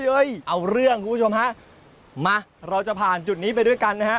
เอ้ยเอาเรื่องคุณผู้ชมฮะมาเราจะผ่านจุดนี้ไปด้วยกันนะฮะ